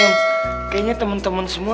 kayaknya temen temen semua